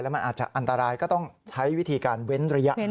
มันอาจจะอันตรายก็ต้องใช้วิธีการเว้นระยะ